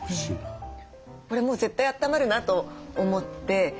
これもう絶対あったまるなと思って。